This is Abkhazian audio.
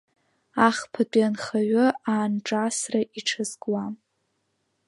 Ахԥатәианхаҩы аанҿасра иҽазкуа.